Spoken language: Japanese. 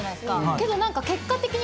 けど何か結果的に。